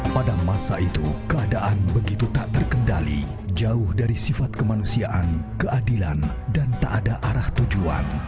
pada masa itu keadaan begitu tak terkendali jauh dari sifat kemanusiaan keadilan dan tak ada arah tujuan